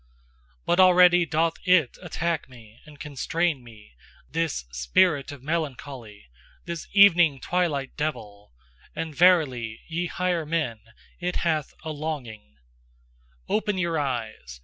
But already doth IT attack me and constrain me, this spirit of melancholy, this evening twilight devil: and verily, ye higher men, it hath a longing Open your eyes!